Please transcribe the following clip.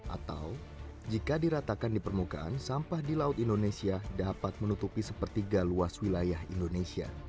atau jika diratakan di permukaan sampah di laut indonesia dapat menutupi sepertiga luas wilayah indonesia